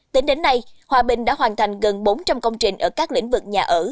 tính đến nay hòa bình đã hoàn thành gần bốn trăm linh công trình ở các lĩnh vực nhà ở